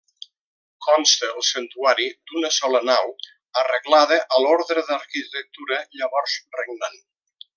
Consta el santuari d'una sola nau, arreglada a l'ordre d'arquitectura llavors regnant.